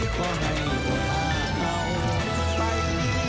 เห็นจังได้ขอให้เวลาเข้าไป